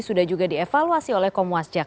sudah juga dievaluasi oleh komwasjak